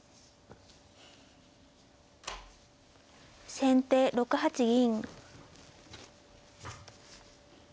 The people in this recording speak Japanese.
先手６八銀。